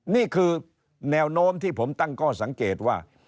นี่คือแนวโน้มที่ผมตั้งข้อสังเกตว่า